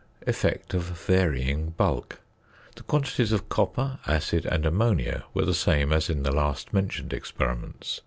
~Effect of Varying Bulk.~ The quantities of copper, acid, and ammonia were the same as in the last mentioned experiments.